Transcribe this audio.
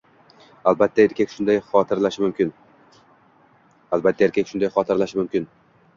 Albatta, erkak shunday xotirlashi mumkin